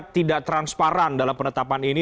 tidak transparan dalam penetapan ini